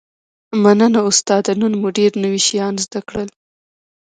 مننه استاده نن مو ډیر نوي شیان زده کړل